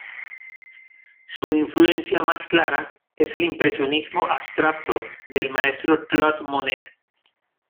Su influencia más clara es el impresionismo abstracto del maestro Claude Monet.